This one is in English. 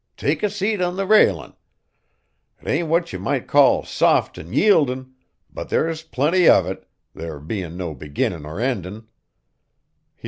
"Take a seat on the railin'. 'T ain't what ye might call soft an' yieldin', but there's plenty of it, there bein' no beginnin' or endin'."